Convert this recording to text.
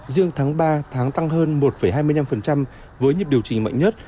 riêng tháng ba tháng tăng hơn một hai mươi năm với nhịp điều chỉnh mạnh nhất